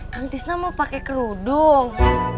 kan tisna mau pakai kerudung